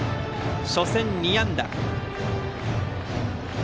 初戦、２安打。